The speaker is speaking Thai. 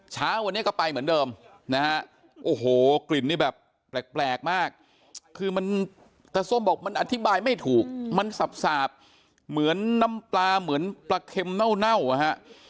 เช้าวันนี้ก็ไปเหมือนเดิมนะฮะโอ้โหกลิ่นนี่แบบแปลกมากคือมันตาส้มบอกมันอธิบายไม่ถูกมันสาบเหมือนน้ำปลาเหมือนปลาเค็มเน่าอ่ะฮะ